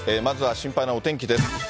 まずは心配なお天気です。